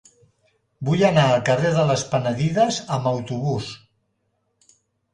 Vull anar al carrer de les Penedides amb autobús.